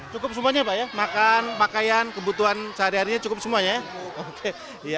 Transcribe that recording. cukup semuanya pak ya makan pakaian kebutuhan sehari harinya cukup semuanya ya